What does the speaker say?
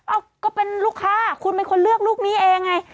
ก็เป็นลูกค้าคุณเป็นคนเลือกลูกนี้เองไง